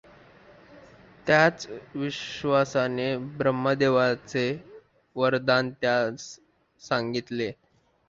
त्याच विश्वासाने ब्रह्मदेवाचे वरदान त्यास सांगितले.